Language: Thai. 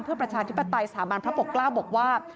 เพื่อประชาธิปไตยสถาบันพระปกเกล้าบอกว่า